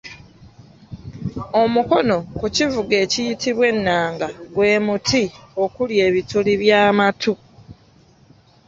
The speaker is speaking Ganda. Omukono ku kivuga ekiyitibwa ennanga gwe muti okuli ebituli by’amatu